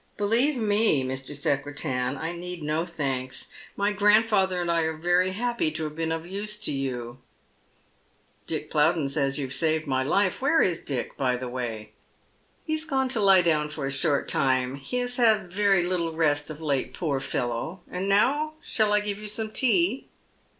" Believe me, Mr. Secretan, I need no thanks. My grandfatlior and 1 are very happy to have been of use to you." 234 Dead Men's Shoes. " Dick Plowden says you have saved my life. Where is Diet by the way ?"" He has gone to lie down for a short time. He has had very little rest of late, poor fellow. And now shall I give you some tea